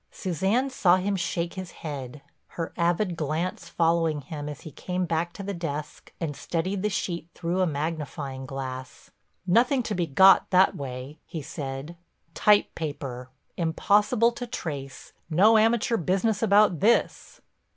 Suzanne saw him shake his head, her avid glance following him as he came back to the desk and studied the sheet through a magnifying glass. "Nothing to be got that way," he said. "Typepaper—impossible to trace. No amateur business about this."